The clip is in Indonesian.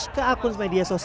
kalau bukan sama pak ganjar